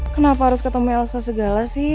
kenapa harus ketemu elsa segala sih